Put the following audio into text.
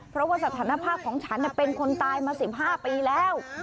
เพราะว่าสถานภาพของฉันเป็นคนตายมา๑๕ปีแล้ว